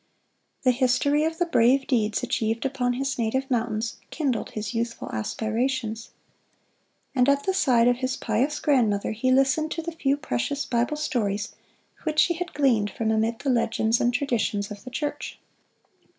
The history of the brave deeds achieved upon his native mountains, kindled his youthful aspirations. And at the side of his pious grandmother he listened to the few precious Bible stories which she had gleaned from amid the legends and traditions of the church.